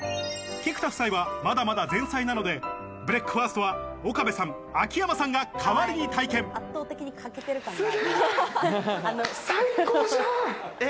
菊田夫妻はまだまだ前菜なのでブレックファストは岡部さん、秋山さんが代わりにすげぇ！